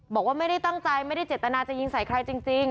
บอกว่าไม่ได้ตั้งใจไม่ได้เจตนาจะยิงใส่ใครจริง